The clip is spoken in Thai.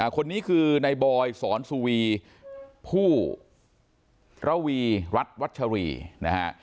คนนี้คือในบอยสอนสุวีผู้ระวีรัฐวัชรีนะฮะ